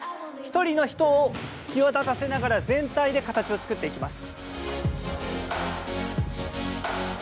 １人の人を、際立たせながら全体で形を作っていきます。